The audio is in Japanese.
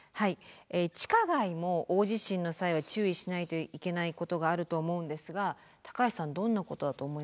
地下街も大地震の際は注意しないといけないことがあると思うんですが高橋さんどんなことだと思いますか。